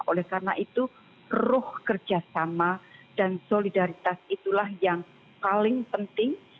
oleh karena itu keruh kerjasama dan solidaritas itulah yang paling penting